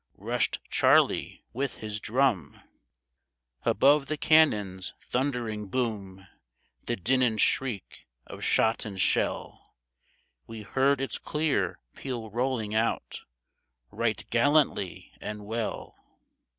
Rushed Charley with his drum !*' Above the cannon's thundering boom, The din and shriek of shot and shell, We heard its clear peal rolling out Right gallantly and well.